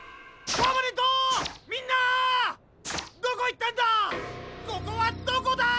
ここはどこだ！？